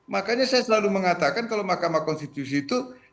makanya saya selalu mengatakan kalau mahkamah konstitusi itu